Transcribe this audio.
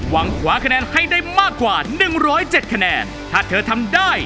หวังขวาคะแนนให้ได้มากกว่าหนึ่งร้อยเจ็ดคะแนนถ้าเธอทำได้